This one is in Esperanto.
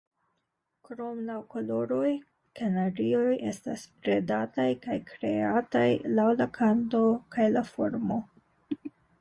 Krom laŭ koloroj, kanarioj estas bredataj kaj kreataj laŭ la kanto kaj la formo.